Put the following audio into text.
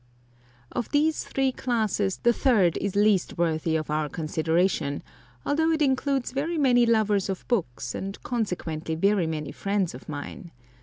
Of these three classes the third is least worthy of our consideration, although it includes very many lovers of books, and consequently very many friends of mine.